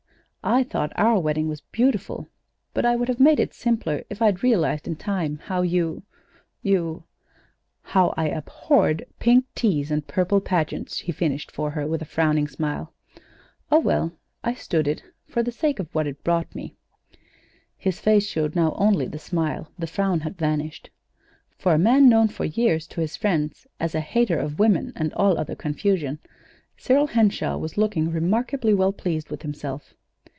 I thought our wedding was beautiful; but I would have made it simpler if I'd realized in time how you you " "How I abhorred pink teas and purple pageants," he finished for her, with a frowning smile. "Oh, well, I stood it for the sake of what it brought me." His face showed now only the smile; the frown had vanished. For a man known for years to his friends as a "hater of women and all other confusion," Cyril Henshaw was looking remarkably well pleased with himself.